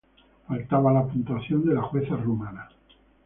Faltaba la puntuación de la jueza rumana.